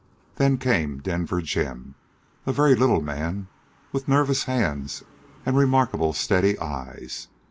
Then came Denver Jim, a very little man, with nervous hands and remarkable steady eyes.